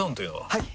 はい！